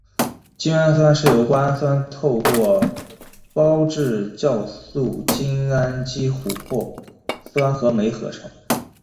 精氨酸是由瓜氨酸透过胞质酵素精氨基琥珀酸合酶合成。